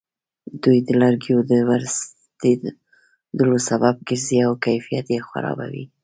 دوی د لرګیو د ورستېدلو سبب ګرځي او کیفیت یې خرابوي.